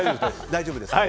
大丈夫ですよ